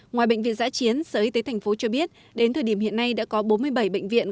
ngoài bệnh viện giã chiến sở y tế tp cho biết đến thời điểm hiện nay đã có bốn mươi bảy bệnh viện